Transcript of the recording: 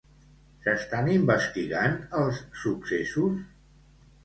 S'estan investigant els successos?